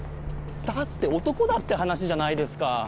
だって男だって話じゃないですか。